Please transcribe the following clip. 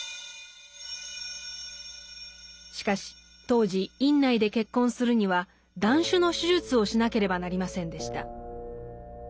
しかし当時院内で結婚するには断種の手術をしなければなりませんでした。